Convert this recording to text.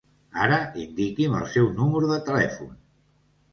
Ara indiqui'm el seu número de telèfon.